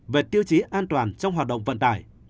về tiêu chí an toàn trong hoạt động vận tải